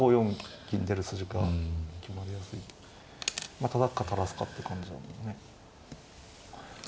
まあたたくか垂らすかって感じだもんね。